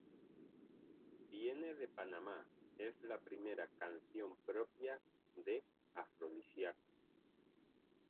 Viene de Panamá es la primera canción propia de Afrodisíaco.